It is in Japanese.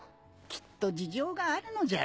きっと事情があるのじゃろ。